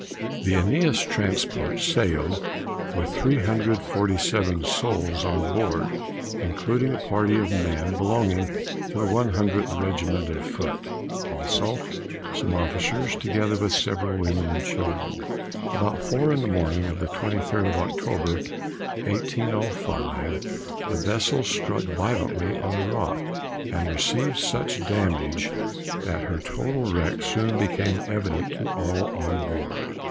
The Æneas transport sailed with 347 souls on board, including a party of men belonging to the 100th regiment of foot, as also some officers, together with several women and children. About four in the morning of the 23d of Oct. 1805, the vessel struck violently on a rock, and received such damage that her total wreck soon became evident to all on board.